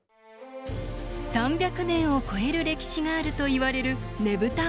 ３００年を超える歴史があるといわれるねぶた祭。